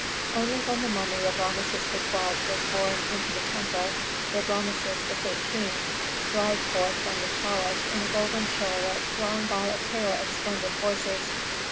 Only when the mummy of Rameses XII. was borne into the temple did Rameses XIII. drive forth from the palace in a golden chariot drawn by a pair of splendid horses.